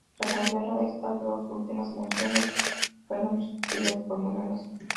Tras la guerra estas dos últimas emisiones fueron sustituidas por monedas.